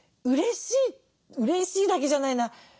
うれしいうれしいだけじゃないな。